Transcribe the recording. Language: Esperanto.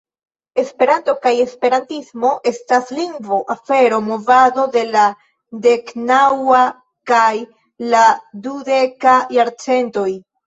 Esperanto kaj esperantismo estas lingvo, afero, movado de la deknaŭa kaj la dudeka jarcentoj.